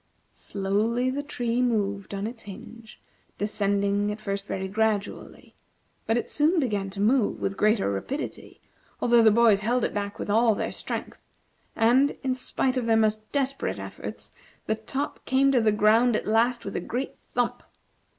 Slowly the tree moved on its hinge, descending at first very gradually; but it soon began to move with greater rapidity, although the boys held it back with all their strength; and, in spite of their most desperate efforts, the top came to the ground at last with a great thump.